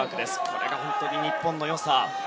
これが本当に日本の良さ。